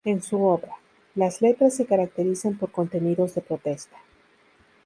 En su obra, las letras se caracterizan por contenidos de protesta.